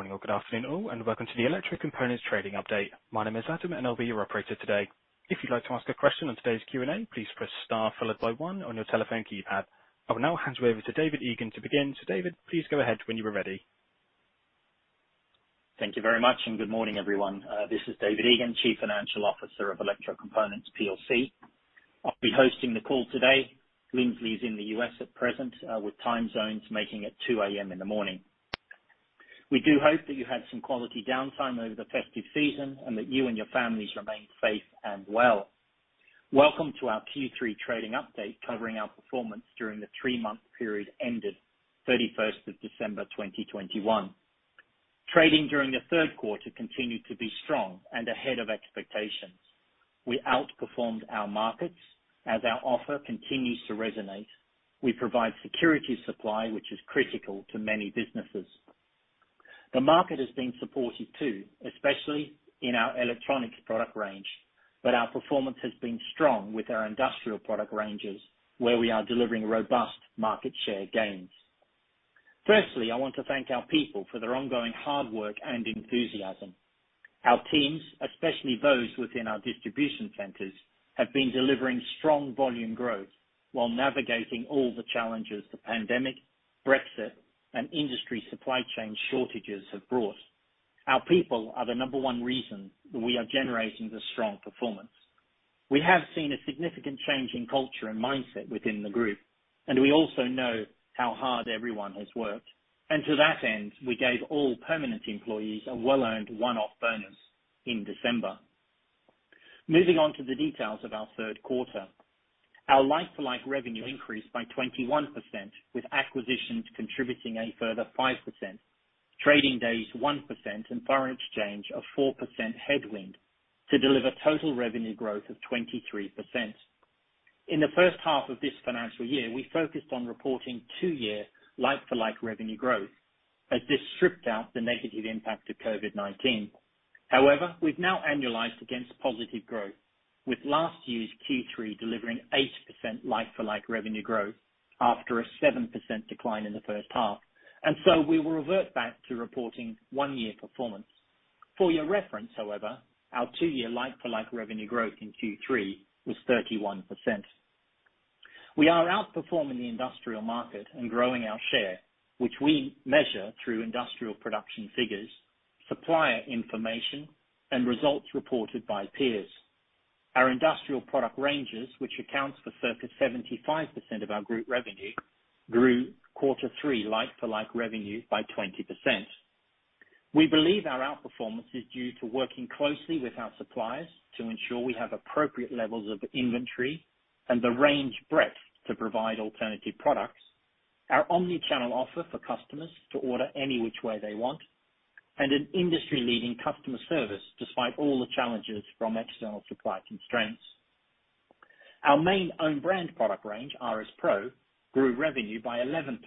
Good morning or good afternoon all, and welcome to the Electrocomponents trading update. My name is Adam, and I'll be your operator today. If you'd like to ask a question on today's Q&A, please press Star followed by One on your telephone keypad. I will now hand you over to David Egan to begin. David, please go ahead when you are ready. Thank you very much, and good morning, everyone. This is David Egan, Chief Financial Officer of Electrocomponents plc. I'll be hosting the call today. Lindsley is in the U.S. at present, with time zones making it 2 A.M. in the morning. We do hope that you had some quality downtime over the festive season, and that you and your families remain safe and well. Welcome to our Q3 trading update covering our performance during the three-month period ended 31st of December, 2021. Trading during the third quarter continued to be strong and ahead of expectations. We outperformed our markets as our offer continues to resonate. We provide security supply, which is critical to many businesses. The market has been supportive too, especially in our electronics product range, but our performance has been strong with our industrial product ranges where we are delivering robust market share gains. Firstly, I want to thank our people for their ongoing hard work and enthusiasm. Our teams, especially those within our distribution centers, have been delivering strong volume growth while navigating all the challenges the pandemic, Brexit, and industry supply chain shortages have brought. Our people are the number one reason we are generating the strong performance. We have seen a significant change in culture and mindset within the group, and we also know how hard everyone has worked. To that end, we gave all permanent employees a well-earned one-off bonus in December. Moving on to the details of our third quarter. Our like-for-like revenue increased by 21%, with acquisitions contributing a further 5%, trading days 1%, and foreign exchange of 4% headwind to deliver total revenue growth of 23%. In the first half of this financial year, we focused on reporting two-year like-for-like revenue growth as this stripped out the negative impact of COVID-19. However, we've now annualized against positive growth, with last year's Q3 delivering 8% like-for-like revenue growth after a 7% decline in the first half. We will revert back to reporting one-year performance. For your reference, however, our two-year like-for-like revenue growth in Q3 was 31%. We are outperforming the industrial market and growing our share, which we measure through industrial production figures, supplier information, and results reported by peers. Our industrial product ranges, which accounts for circa 75% of our group revenue, grew quarter three like-for-like revenue by 20%. We believe our outperformance is due to working closely with our suppliers to ensure we have appropriate levels of inventory and the range breadth to provide alternative products. Our omni-channel offer for customers to order any which way they want and an industry-leading customer service despite all the challenges from external supply constraints. Our main own brand product range, RS PRO, grew revenue by 11%,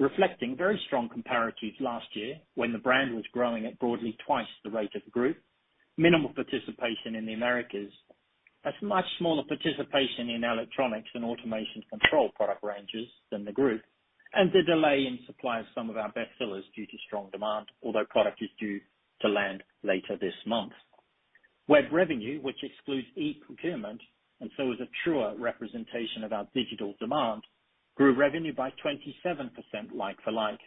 reflecting very strong comparatives last year when the brand was growing at broadly twice the rate of the group, minimal participation in the Americas, that's much smaller participation in electronics and automation control product ranges than the group and the delay in supply of some of our best sellers due to strong demand, although product is due to land later this month. Web revenue, which excludes e-procurement and so is a truer representation of our digital demand, grew revenue by 27% like for like.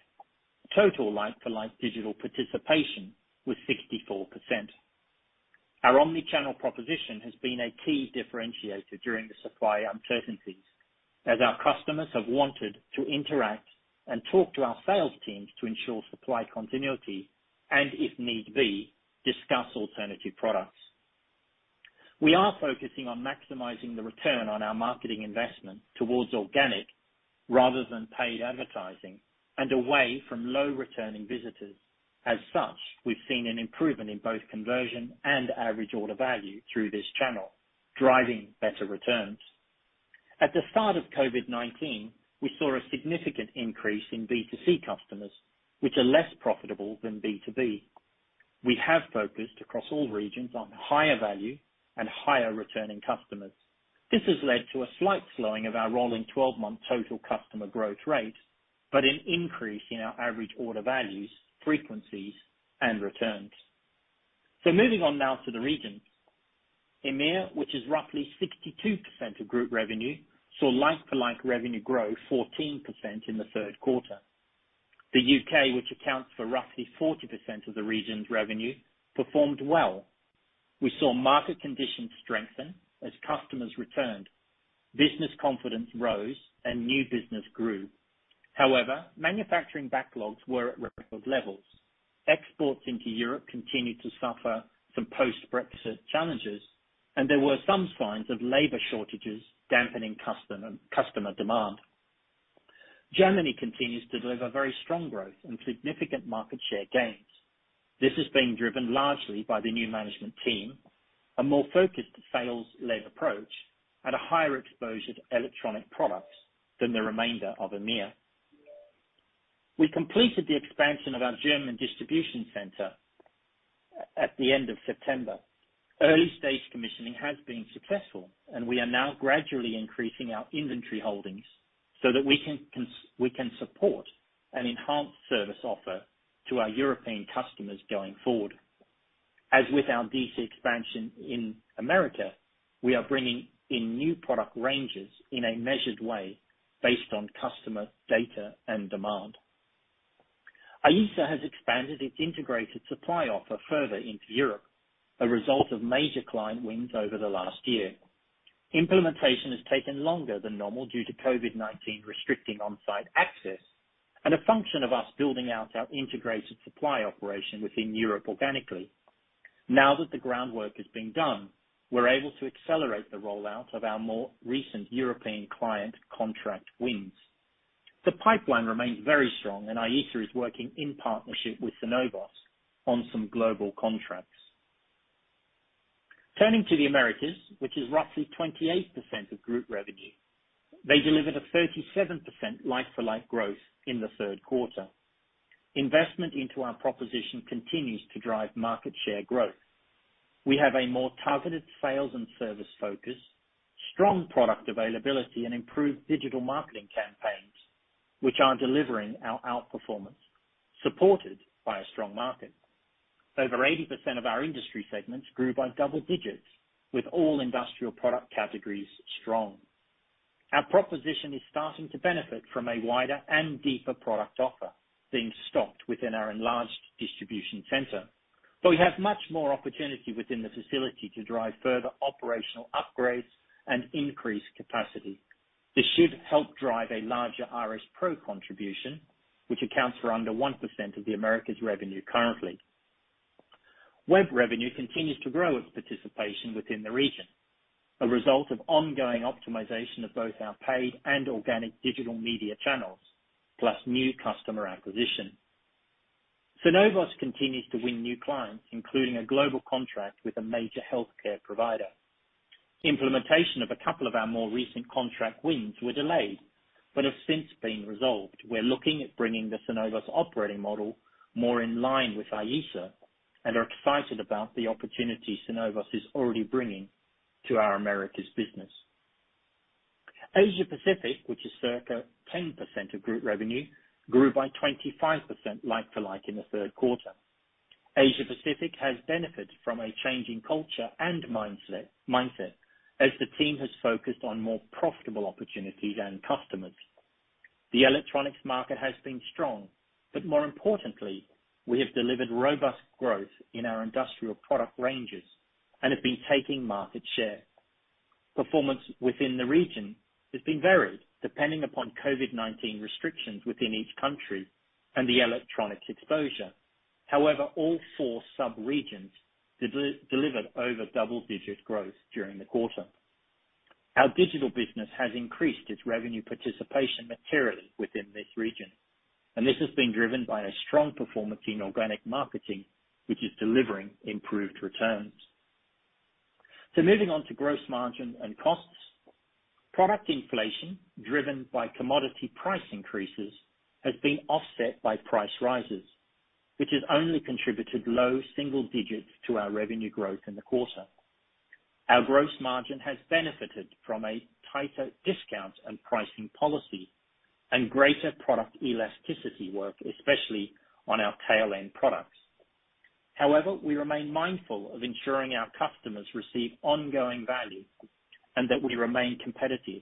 Total like for like digital participation was 64%. Our omni-channel proposition has been a key differentiator during the supply uncertainties as our customers have wanted to interact and talk to our sales teams to ensure supply continuity and if need be, discuss alternative products. We are focusing on maximizing the return on our marketing investment towards organic rather than paid advertising and away from low returning visitors. As such, we've seen an improvement in both conversion and average order value through this channel, driving better returns. At the start of COVID-19, we saw a significant increase in B2C customers, which are less profitable than B2B. We have focused across all regions on higher value and higher returning customers. This has led to a slight slowing of our rolling 12-month total customer growth rate, but an increase in our average order values, frequencies, and returns. Moving on now to the regions. EMEAR, which is roughly 62% of group revenue, saw like-for-like revenue grow 14% in the third quarter. The U.K., which accounts for roughly 40% of the region's revenue, performed well. We saw market conditions strengthen as customers returned. Business confidence rose and new business grew. However, manufacturing backlogs were at record levels. Exports into Europe continued to suffer from post-Brexit challenges, and there were some signs of labor shortages dampening customer demand. Germany continues to deliver very strong growth and significant market share gains. This has been driven largely by the new management team, a more focused sales-led approach at a higher exposure to electronic products than the remainder of EMEAR. We completed the expansion of our German distribution center. At the end of September, early stage commissioning has been successful, and we are now gradually increasing our inventory holdings so that we can support an enhanced service offer to our European customers going forward. As with our DC expansion in America, we are bringing in new product ranges in a measured way based on customer data and demand. IESA has expanded its integrated supply offer further into Europe, a result of major client wins over the last year. Implementation has taken longer than normal due to COVID-19 restricting on-site access, and a function of us building out our integrated supply operation within Europe organically. Now that the groundwork has been done, we're able to accelerate the rollout of our more recent European client contract wins. The pipeline remains very strong, and IESA is working in partnership with Synovos on some global contracts. Turning to the Americas, which is roughly 28% of group revenue, they delivered a 37% like-for-like growth in the third quarter. Investment into our proposition continues to drive market share growth. We have a more targeted sales and service focus, strong product availability, and improved digital marketing campaigns, which are delivering our outperformance, supported by a strong market. Over 80% of our industry segments grew by double digits with all industrial product categories strong. Our proposition is starting to benefit from a wider and deeper product offer being stocked within our enlarged distribution center. We have much more opportunity within the facility to drive further operational upgrades and increase capacity. This should help drive a larger RS PRO contribution, which accounts for under 1% of the Americas revenue currently. Web revenue continues to grow its participation within the region, a result of ongoing optimization of both our paid and organic digital media channels, plus new customer acquisition. Synovos continues to win new clients, including a global contract with a major healthcare provider. Implementation of a couple of our more recent contract wins were delayed, but have since been resolved. We're looking at bringing the Synovos operating model more in line with IESA, and are excited about the opportunity Synovos is already bringing to our Americas business. Asia Pacific, which is circa 10% of group revenue, grew by 25% like-for-like in the third quarter. Asia Pacific has benefited from a change in culture and mindset as the team has focused on more profitable opportunities and customers. The electronics market has been strong, but more importantly, we have delivered robust growth in our industrial product ranges and have been taking market share. Performance within the region has been varied, depending upon COVID-19 restrictions within each country and the electronics exposure. However, all four sub-regions delivered over double-digit growth during the quarter. Our digital business has increased its revenue participation materially within this region, and this has been driven by a strong performance in organic marketing, which is delivering improved returns. Moving on to gross margin and costs. Product inflation driven by commodity price increases has been offset by price rises, which has only contributed low single digits to our revenue growth in the quarter. Our gross margin has benefited from a tighter discount and pricing policy and greater product elasticity work, especially on our tail end products. However, we remain mindful of ensuring our customers receive ongoing value and that we remain competitive.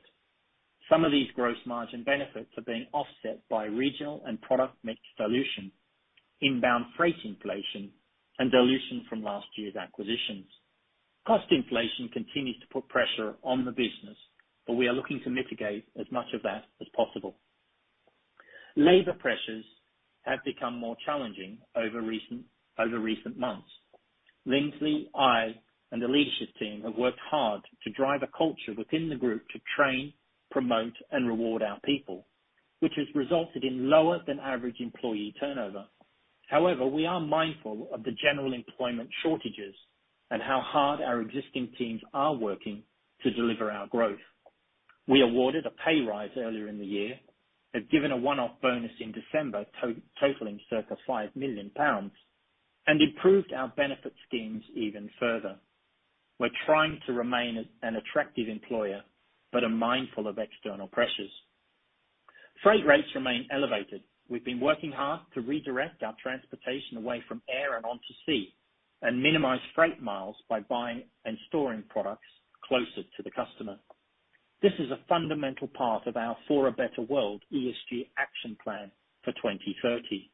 Some of these gross margin benefits are being offset by regional and product mix dilution, inbound freight inflation, and dilution from last year's acquisitions. Cost inflation continues to put pressure on the business, but we are looking to mitigate as much of that as possible. Labor pressures have become more challenging over recent months. Lindsley, I, and the leadership team have worked hard to drive a culture within the group to train, promote, and reward our people, which has resulted in lower than average employee turnover. However, we are mindful of the general employment shortages and how hard our existing teams are working to deliver our growth. We awarded a pay rise earlier in the year, have given a one-off bonus in December totaling circa 5 million pounds, and improved our benefit schemes even further. We're trying to remain an attractive employer, but are mindful of external pressures. Freight rates remain elevated. We've been working hard to redirect our transportation away from air and onto sea, and minimize freight miles by buying and storing products closer to the customer. This is a fundamental part of our For a Better World ESG action plan for twenty thirty.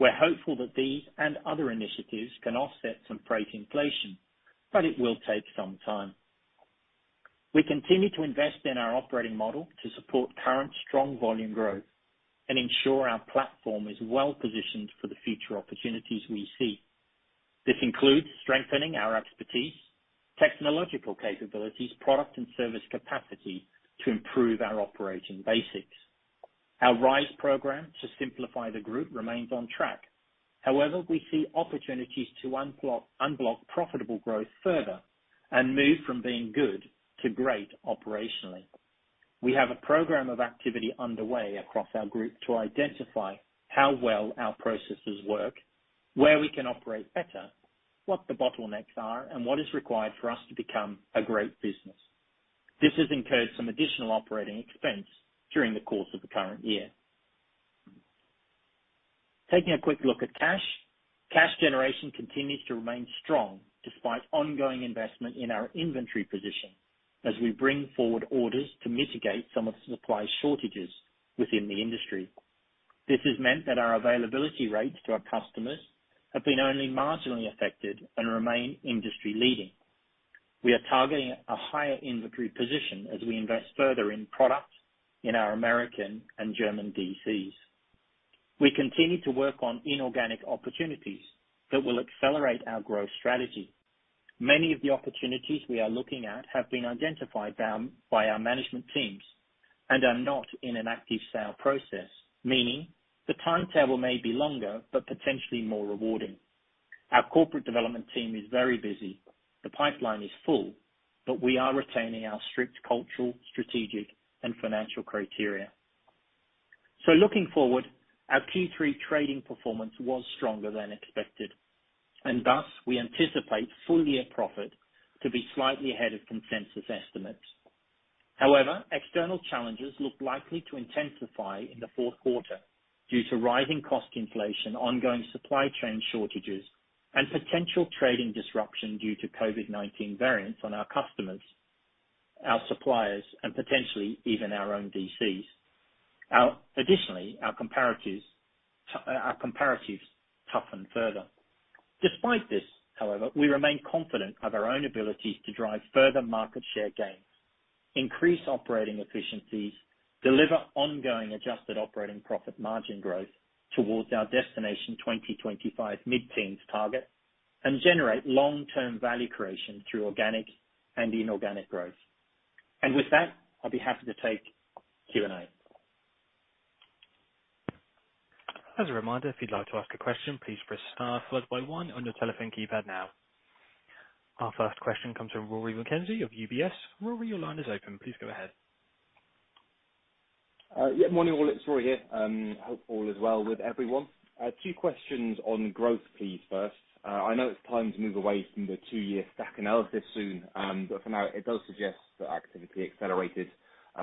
We're hopeful that these and other initiatives can offset some freight inflation, but it will take some time. We continue to invest in our operating model to support current strong volume growth and ensure our platform is well positioned for the future opportunities we see. This includes strengthening our expertise, technological capabilities, product and service capacity to improve our operating basics. Our RISE program to simplify the group remains on track. However, we see opportunities to unblock profitable growth further and move from being good to great operationally. We have a program of activity underway across our group to identify how well our processes work, where we can operate better, what the bottlenecks are, and what is required for us to become a great business. This has incurred some additional operating expense during the course of the current year. Taking a quick look at cash. Cash generation continues to remain strong despite ongoing investment in our inventory position as we bring forward orders to mitigate some of the supply shortages within the industry. This has meant that our availability rates to our customers have been only marginally affected and remain industry-leading. We are targeting a higher inventory position as we invest further in products in our American and German DCs. We continue to work on inorganic opportunities that will accelerate our growth strategy. Many of the opportunities we are looking at have been identified by our management teams and are not in an active sale process, meaning the timetable may be longer but potentially more rewarding. Our corporate development team is very busy. The pipeline is full, but we are retaining our strict cultural, strategic, and financial criteria. Looking forward, our Q3 trading performance was stronger than expected, and thus we anticipate full-year profit to be slightly ahead of consensus estimates. However, external challenges look likely to intensify in the fourth quarter due to rising cost inflation, ongoing supply chain shortages, and potential trading disruption due to COVID-19 variants on our customers, our suppliers, and potentially even our own DCs. Additionally, our comparatives toughen further. Despite this, however, we remain confident of our own abilities to drive further market share gains, increase operating efficiencies, deliver ongoing adjusted operating profit margin growth towards our Destination 2025 mid-teens target, and generate long-term value creation through organic and inorganic growth. With that, I'll be happy to take Q&A. As a reminder, if you'd like to ask a question, please press star followed by one on your telephone keypad now. Our first question comes from Rory McKenzie of UBS. Rory, your line is open. Please go ahead. Morning, all. It's Rory here. Hope all is well with everyone. Two questions on growth please first. I know it's time to move away from the two-year stack analysis soon, but for now it does suggest that activity accelerated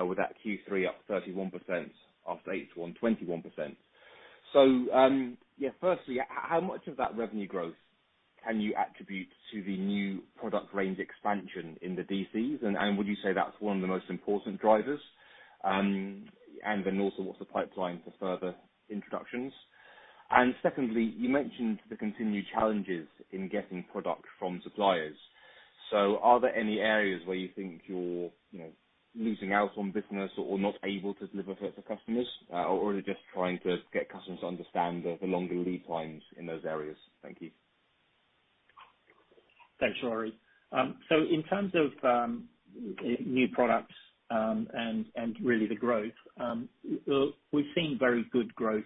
with that Q3 up 31% after H1, 21%. Yeah, firstly, how much of that revenue growth can you attribute to the new product range expansion in the DCs? And would you say that's one of the most important drivers? And then also what's the pipeline for further introductions? And secondly, you mentioned the continued challenges in getting product from suppliers. Are there any areas where you think you're, you know, losing out on business or not able to deliver for customers? Are you just trying to get customers to understand the longer lead times in those areas? Thank you. Thanks, Rory. In terms of new products and really the growth we've seen very good growth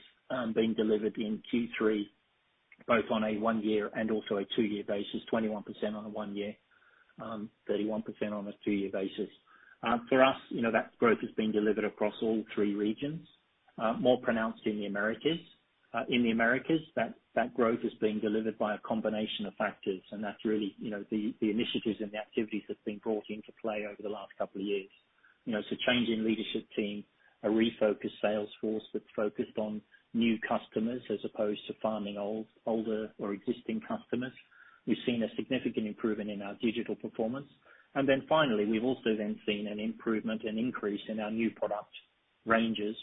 being delivered in Q3, both on a one-year and also a two-year basis, 21% on a one-year, 31% on a two-year basis. For us, you know, that growth has been delivered across all three regions, more pronounced in the Americas. In the Americas, that growth is being delivered by a combination of factors, and that's really, you know, the initiatives and the activities that have been brought into play over the last couple of years. You know, it's a change in leadership team, a refocused sales force that's focused on new customers as opposed to farming older or existing customers. We've seen a significant improvement in our digital performance. Finally, we've also then seen an improvement and increase in our new product ranges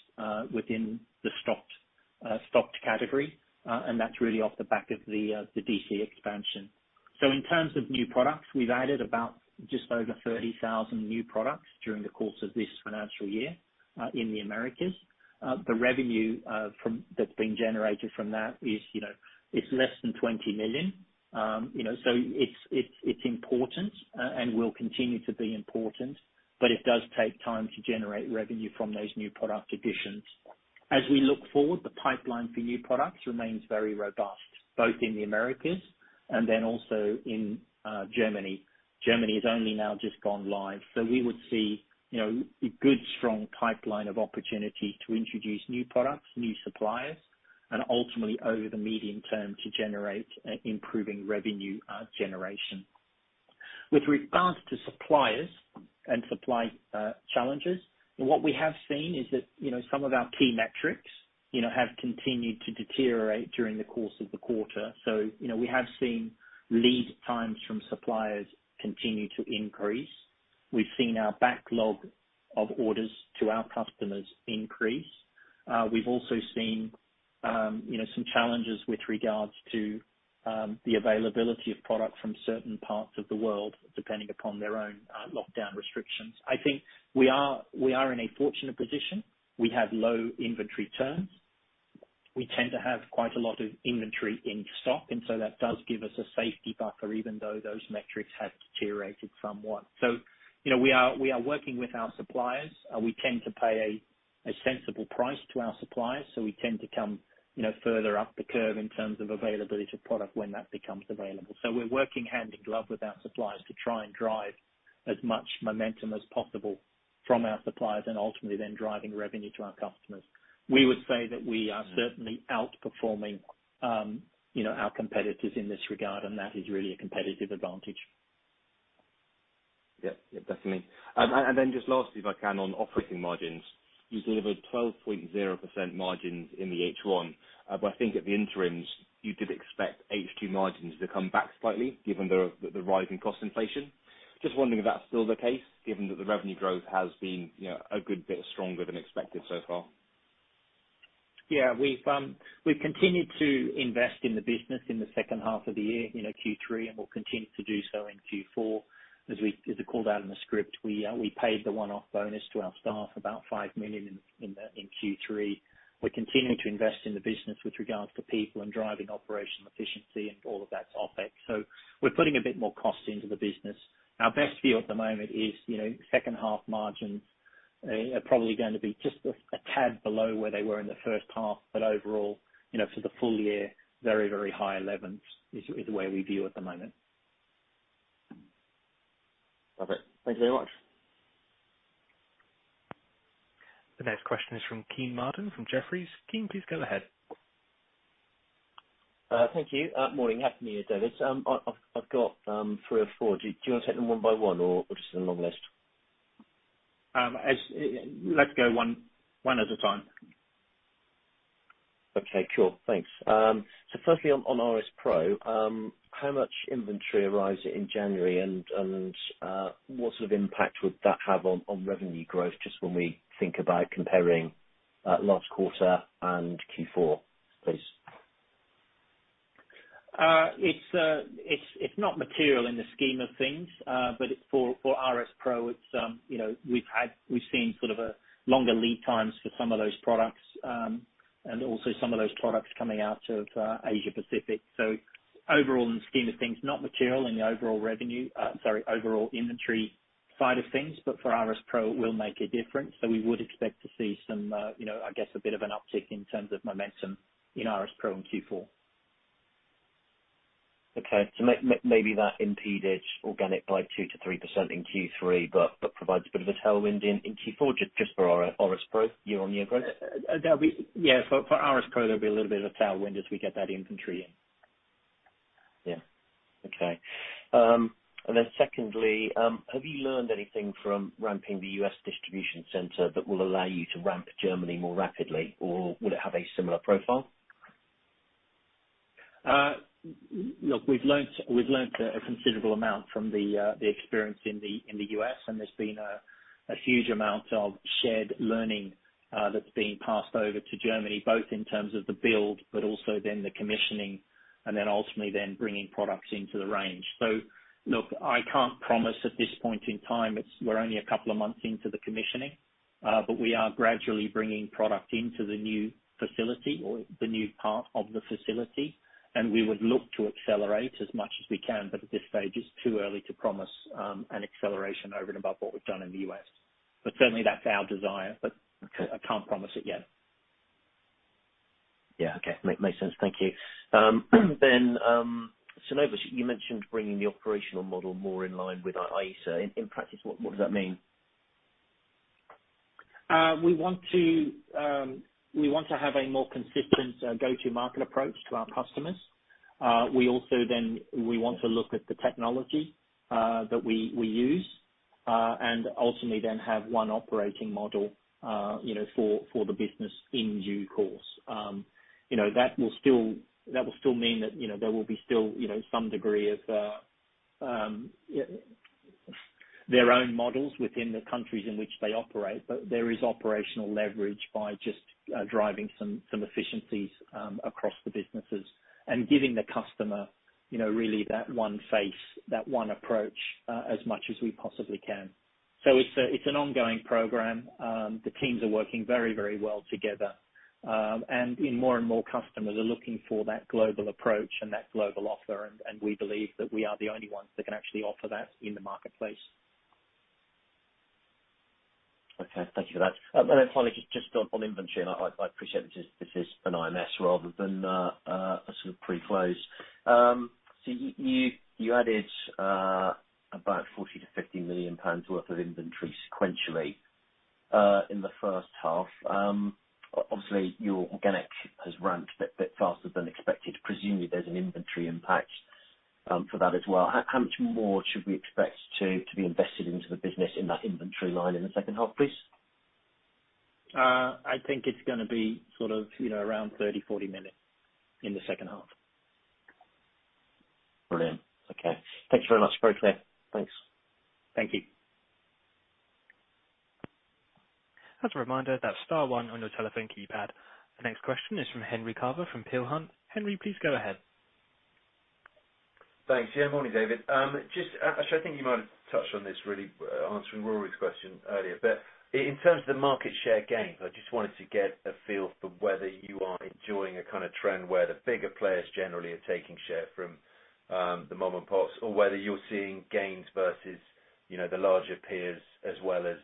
within the stocked category, and that's really off the back of the DC expansion. In terms of new products, we've added about just over 30,000 new products during the course of this financial year in the Americas. The revenue from that that's been generated from that is, you know, is less than 20 million. You know, it's important and will continue to be important, but it does take time to generate revenue from those new product additions. As we look forward, the pipeline for new products remains very robust, both in the Americas and then also in Germany. Germany has only now just gone live. We would see, you know, a good strong pipeline of opportunity to introduce new products, new suppliers, and ultimately over the medium term to generate improving revenue generation. With regards to suppliers and supply challenges, what we have seen is that, you know, some of our key metrics, you know, have continued to deteriorate during the course of the quarter. You know, we have seen lead times from suppliers continue to increase. We've seen our backlog of orders to our customers increase. We've also seen, you know, some challenges with regards to the availability of product from certain parts of the world, depending upon their own lockdown restrictions. I think we are in a fortunate position. We have low inventory turns. We tend to have quite a lot of inventory in stock, and so that does give us a safety buffer even though those metrics have deteriorated somewhat. You know, we are working with our suppliers. We tend to pay a sensible price to our suppliers, so we tend to come, you know, further up the curve in terms of availability to product when that becomes available. We're working hand in glove with our suppliers to try and drive as much momentum as possible from our suppliers and ultimately then driving revenue to our customers. We would say that we are certainly outperforming, you know, our competitors in this regard, and that is really a competitive advantage. Yeah. Yeah, definitely. Then just lastly, if I can, on operating margins. You delivered 12.0% margins in the H1. I think at the interims, you did expect H2 margins to come back slightly given the rise in cost inflation. Just wondering if that's still the case, given that the revenue growth has been, you know, a good bit stronger than expected so far. Yeah. We've continued to invest in the business in the second half of the year, you know, Q3, and we'll continue to do so in Q4. As I called out in the script, we paid the one-off bonus to our staff, about 5 million in Q3. We're continuing to invest in the business with regards to people and driving operational efficiency and all of that sort of thing. We're putting a bit more cost into the business. Our best view at the moment is, you know, second half margins are probably gonna be just a tad below where they were in the first half. Overall, you know, for the full year, very high levels is the way we view at the moment. Love it. Thank you very much. The next question is from Keane Martin from Jefferies. Keane, please go ahead. Thank you. Morning. Happy New Year, David. I've got three or four. Do you wanna take them one by one or just read a long list? Let's go one at a time. Okay. Sure. Thanks. Firstly, on RS PRO, how much inventory arrives in January, and what sort of impact would that have on revenue growth, just when we think about comparing last quarter and Q4, please? It's not material in the scheme of things. It's for RS PRO, you know, we've seen sort of a longer lead times for some of those products, and also some of those products coming out of Asia Pacific. Overall, in the scheme of things, not material in the overall revenue. Sorry, overall inventory side of things, but for RS PRO, it will make a difference. We would expect to see some, you know, I guess, a bit of an uptick in terms of momentum in RS PRO in Q4. Okay. Maybe that impeded organic by 2%-3% in Q3, but provides a bit of a tailwind in Q4 just for RS PRO, year-on-year growth? Yeah, for RS PRO, there'll be a little bit of a tailwind as we get that inventory in. Yeah. Okay. Secondly, have you learned anything from ramping the U.S. distribution center that will allow you to ramp Germany more rapidly, or will it have a similar profile? Look, we've learned a considerable amount from the experience in the U.S., and there's been a huge amount of shared learning that's being passed over to Germany, both in terms of the build but also then the commissioning and then ultimately then bringing products into the range. Look, I can't promise at this point in time. It's, we're only a couple of months into the commissioning. We are gradually bringing product into the new facility or the new part of the facility, and we would look to accelerate as much as we can, but at this stage it's too early to promise an acceleration over and above what we've done in the U.S. Certainly that's our desire. Okay. I can't promise it yet. Yeah. Okay. Makes sense. Thank you. Synovos, you mentioned bringing the operational model more in line with IESA. In practice, what does that mean? We want to have a more consistent go-to-market approach to our customers. We also then want to look at the technology that we use and ultimately then have one operating model, you know, for the business in due course. You know, that will still mean that you know, there will be still you know, some degree of their own models within the countries in which they operate. There is operational leverage by just driving some efficiencies across the businesses and giving the customer you know, really that one face, that one approach as much as we possibly can. It's an ongoing program. The teams are working very well together. More and more customers are looking for that global approach and that global offer, and we believe that we are the only ones that can actually offer that in the marketplace. Okay. Thank you for that. Finally, just on inventory, and I appreciate this is an IMS rather than a sort of pre-close. You added about 40 million-50 million pounds worth of inventory sequentially in the first half. Obviously your organic has ramped a bit faster than expected. Presumably there's an inventory impact for that as well. How much more should we expect to be invested into the business in that inventory line in the second half, please? I think it's gonna be sort of, you know, around 30 million-40 million in the second half. Brilliant. Okay. Thank you very much. Very clear. Thanks. Thank you. As a reminder, that's star one on your telephone keypad. The next question is from Henry Carver from Peel Hunt. Henry, please go ahead. Thanks. Yeah, morning, David. Just, actually I think you might have touched on this really answering Rory's question earlier. In terms of the market share gains, I just wanted to get a feel for whether you are enjoying a kinda trend where the bigger players generally are taking share from the mom and pops or whether you're seeing gains versus, you know, the larger peers as well as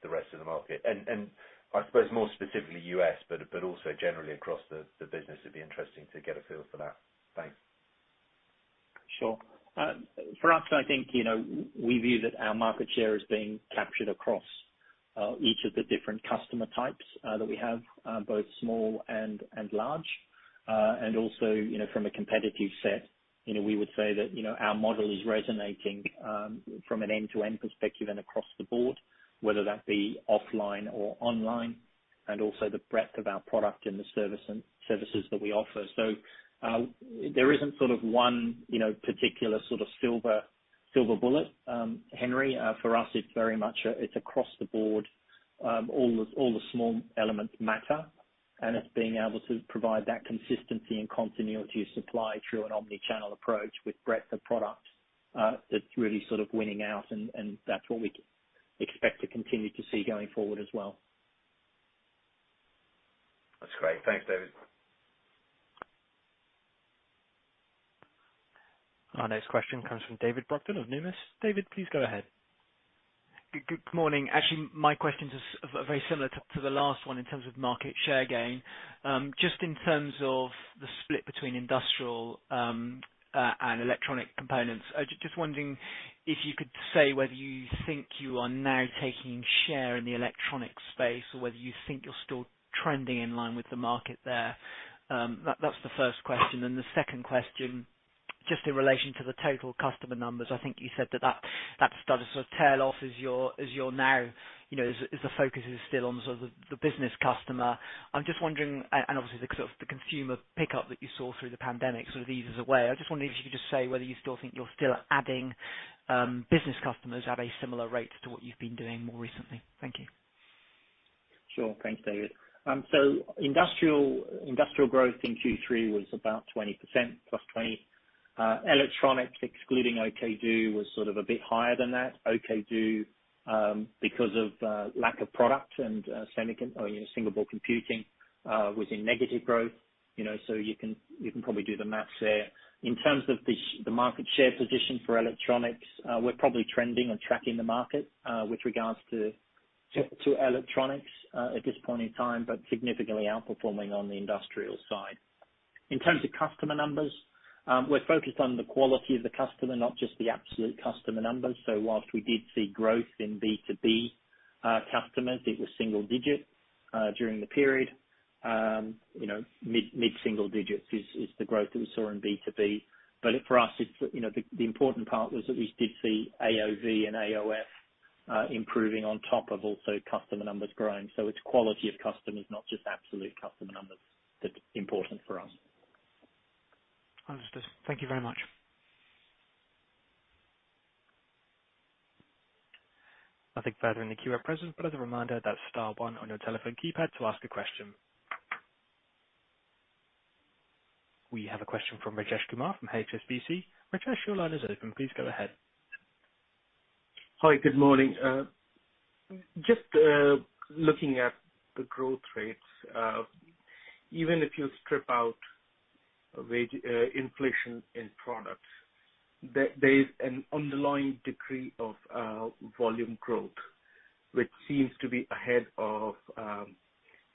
The rest of the market. I suppose more specifically U.S., but also generally across the business, it'd be interesting to get a feel for that. Thanks. Sure. For us, I think, you know, we view that our market share is being captured across each of the different customer types that we have, both small and large. Also, you know, from a competitive set, you know, we would say that, you know, our model is resonating from an end-to-end perspective and across the board, whether that be offline or online, and also the breadth of our product and the service and services that we offer. There isn't sort of one, you know, particular sort of silver bullet, Henry. For us, it's very much across the board. All the small elements matter, and it's being able to provide that consistency and continuity of supply through an omni-channel approach with breadth of product. That's really sort of winning out, and that's what we expect to continue to see going forward as well. That's great. Thanks, David. Our next question comes from David Brockton of Numis. David, please go ahead. Good morning. Actually, my question is very similar to the last one in terms of market share gain. Just in terms of the split between industrial and electronic components. Just wondering if you could say whether you think you are now taking share in the electronic space or whether you think you're still trending in line with the market there. That's the first question. Then the second question, just in relation to the total customer numbers, I think you said that started to sort of tail off as you're now, you know, as the focus is still on the sort of the business customer. I'm just wondering, and obviously the sort of the consumer pickup that you saw through the pandemic sort of eases away. I just wondered if you could just say whether you still think you're still adding business customers at a similar rate to what you've been doing more recently. Thank you. Sure. Thanks, David. Industrial growth in Q3 was about 20%, +20%. Electronics, excluding OKdo, was sort of a bit higher than that. OKdo, because of lack of product and semi, or you know, single board computing, was in negative growth. You know, so you can probably do the math there. In terms of the market share position for electronics, we're probably trending and tracking the market with regards to electronics at this point in time, but significantly outperforming on the industrial side. In terms of customer numbers, we're focused on the quality of the customer, not just the absolute customer numbers. While we did see growth in B2B customers, it was single-digit during the period. You know, mid single digits is the growth that we saw in B2B. For us, it's you know, the important part was that we did see AOV and AOS improving on top of also customer numbers growing. It's quality of customers, not just absolute customer numbers that's important for us. Understood. Thank you very much. Nothing further in the queue at present, but as a reminder, that's star one on your telephone keypad to ask a question. We have a question from Rajesh Kumar from HSBC. Rajesh, your line is open. Please go ahead. Hi, good morning. Just looking at the growth rates, even if you strip out wage inflation in products, there's an underlying degree of volume growth, which seems to be ahead of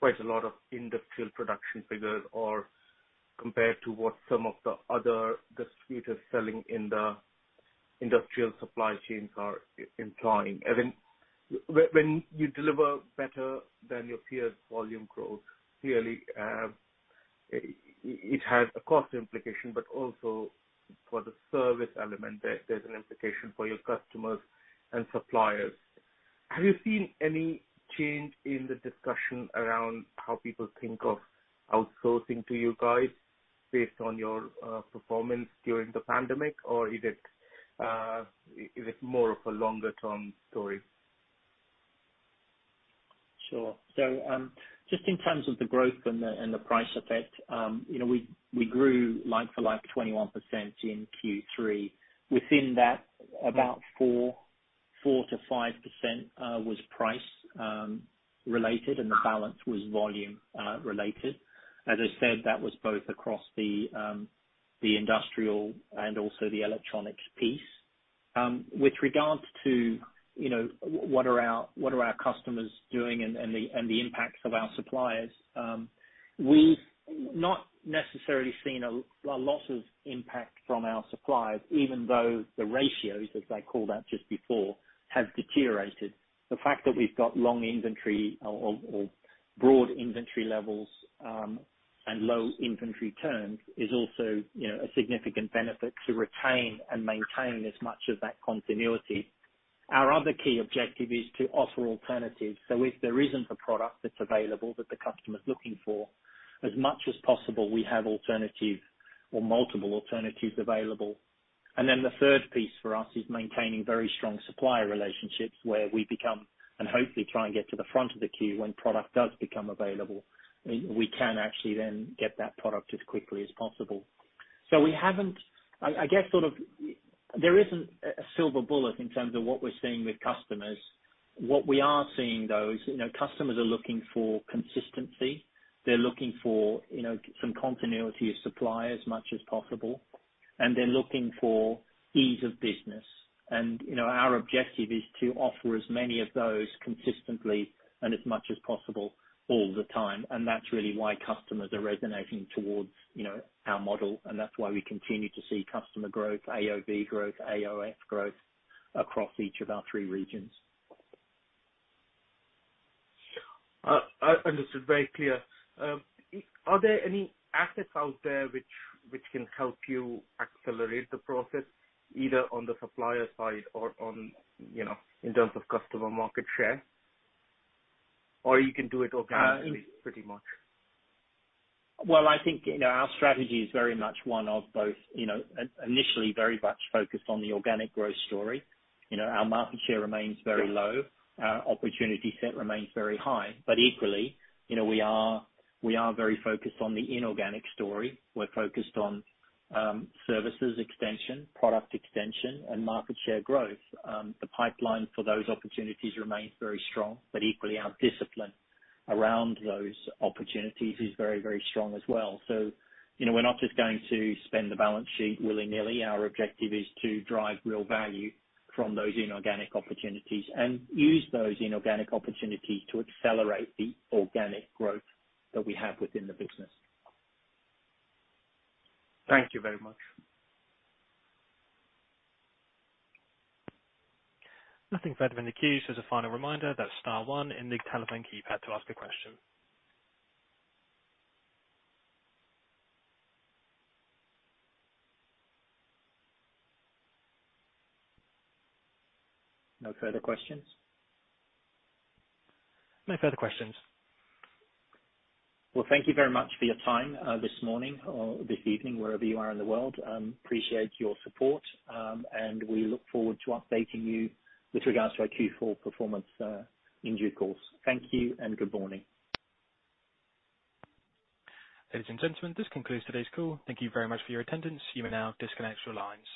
quite a lot of industrial production figures or compared to what some of the other distributors selling in the industrial supply chains are implying. I mean, when you deliver better than your peers' volume growth, clearly it has a cost implication, but also for the service element, there's an implication for your customers and suppliers. Have you seen any change in the discussion around how people think of outsourcing to you guys based on your performance during the pandemic? Or is it more of a longer term story? Sure. Just in terms of the growth and the price effect, you know, we grew like for like 21% in Q3. Within that, about 4%-5% was price related and the balance was volume related. As I said, that was both across the industrial and also the electronics piece. With regards to, you know, what are our customers doing and the impacts of our suppliers, we've not necessarily seen a lot of impact from our suppliers, even though the ratios, as I called out just before, have deteriorated. The fact that we've got long inventory or broad inventory levels and low inventory turns is also, you know, a significant benefit to retain and maintain as much of that continuity. Our other key objective is to offer alternatives. If there isn't a product that's available that the customer's looking for, as much as possible, we have alternative or multiple alternatives available. The third piece for us is maintaining very strong supplier relationships where we become, and hopefully try and get to the front of the queue when product does become available. We can actually then get that product as quickly as possible. I guess sort of there isn't a silver bullet in terms of what we're seeing with customers. What we are seeing, though, is, you know, customers are looking for consistency. They're looking for, you know, some continuity of supply as much as possible. They're looking for ease of business. You know, our objective is to offer as many of those consistently and as much as possible all the time. That's really why customers are resonating towards, you know, our model. That's why we continue to see customer growth, AOV growth, AOF growth across each of our three regions. Understood. Very clear. Are there any assets out there which can help you accelerate the process, either on the supplier side or on, you know, in terms of customer market share? Or you can do it organically pretty much? Well, I think, you know, our strategy is very much one of both, you know, initially very much focused on the organic growth story. You know, our market share remains very low. Our opportunity set remains very high. But equally, you know, we are very focused on the inorganic story. We're focused on services extension, product extension and market share growth. The pipeline for those opportunities remains very strong, but equally our discipline around those opportunities is very, very strong as well. You know, we're not just going to spend the balance sheet willy-nilly. Our objective is to drive real value from those inorganic opportunities and use those inorganic opportunities to accelerate the organic growth that we have within the business. Thank you very much. Nothing further in the queues. As a final reminder, that's star one in the telephone keypad to ask a question. No further questions? No further questions. Well, thank you very much for your time, this morning or this evening, wherever you are in the world. Appreciate your support, and we look forward to updating you with regards to our Q4 performance, in due course. Thank you and good morning. Ladies and gentlemen, this concludes today's call. Thank you very much for your attendance. You may now disconnect your lines.